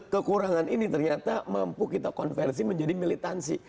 kekurangan ini ternyata mampu kita konversi menjadi militansi